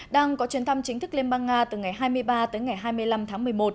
đang có chuyến thăm chính thức liên bang nga từ ngày hai mươi ba tới ngày hai mươi năm tháng một mươi một